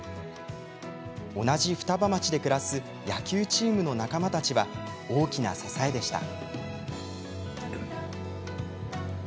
同じ双葉町で暮らす野球チームの仲間たちは大きな支えでした。